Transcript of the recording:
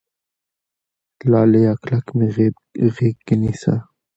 لاليه کلک مې غېږ کې نيسه